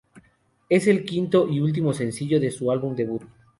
Es el quinto y último sencillo de su álbum debut.